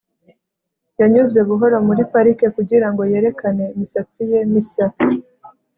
yanyuze buhoro muri parike kugirango yerekane imisatsi ye mishya